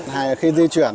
hay là khi di chuyển